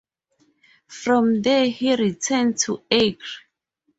From there he returned to Acre.